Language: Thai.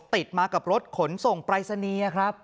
ติดมากับรถขนส่งปลายสนีย